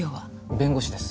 弁護士です。